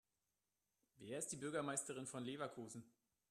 Wer ist die Bürgermeisterin von Leverkusen?